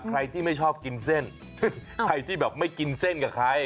ใครที่ไม่ชอบกินเส้นใครที่แบบไม่กินเส้นกับใคร